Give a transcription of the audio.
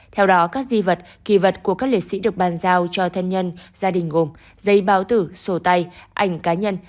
theo đó các di vật kỳ vật của các liệt sĩ được bàn giao cho thân nhân gia đình gồm giấy báo tử sổ tay ảnh cá nhân